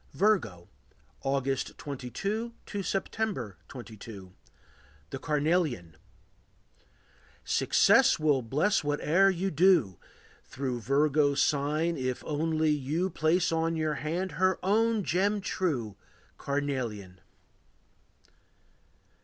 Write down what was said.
Virgo. August 22 to September 22. The Carnelian. Success will bless whate'er you do, Through Virgo's sign, if only you Place on your hand her own gem true, Carnelian.